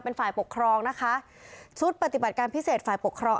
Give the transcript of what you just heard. เป็นฝ่ายปกครองนะคะชุดปฏิบัติการพิเศษฝ่ายปกครอง